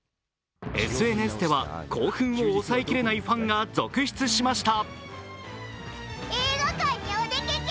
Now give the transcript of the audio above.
ＳＮＳでは興奮を抑えきれないファンが続出しました。